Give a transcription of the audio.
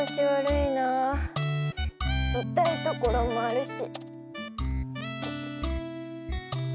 いたいところもあるし。